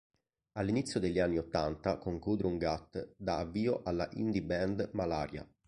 All'inizio degli anni ottanta con Gudrun Gut dà avvio alla Indie band Malaria!